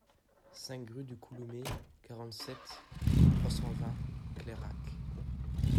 cinq rue du Couloumé, quarante-sept, trois cent vingt, Clairac